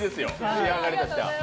仕上がりとしては。